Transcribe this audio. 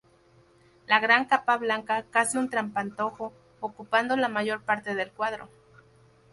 La gran capa blanca, casi un trampantojo, ocupando la mayor parte del cuadro.